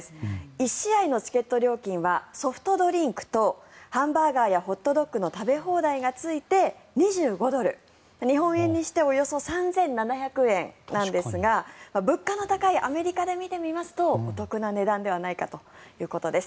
１試合のチケット料金はソフトドリンクとハンバーガーやホットドックの食べ放題がついて２５ドル、日本円にしておよそ３７００円なんですが物価の高いアメリカで見てみますとお得な値段ではないかということです。